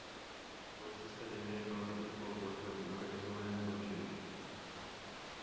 Policista Damien má za úkol boj proti organizovanému zločinu.